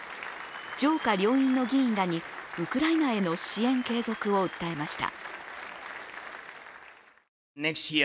上下両院の議員らにウクライナへの支援継続を訴えました。